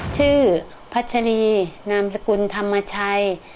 พัชรีนามสกุลธรรมชัย